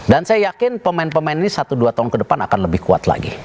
dan saya yakin pemain pemain ini satu dua tahun ke depan akan lebih kuat lagi